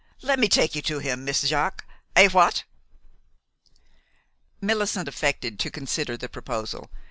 "Let me take you to him, Miss Jaques Eh, what?" Millicent affected to consider the proposal.